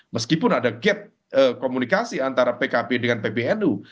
meskipun ada gap komunikasi antara pkb dengan pbnu